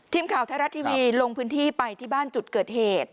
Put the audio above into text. ทีมข่าวไทยรัฐทีวีลงพื้นที่ไปที่บ้านจุดเกิดเหตุ